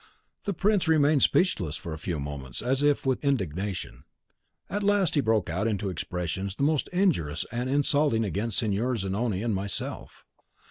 "The prince remained speechless for a few moments, as if with indignation. At last he broke out into expressions the most injurious and insulting against Signor Zanoni and myself.